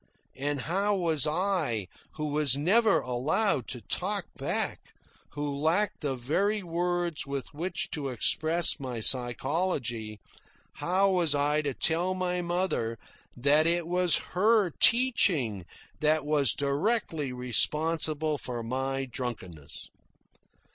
And how was I, who was never allowed to talk back, who lacked the very words with which to express my psychology how was I to tell my mother that it was her teaching that was directly responsible for my drunkenness?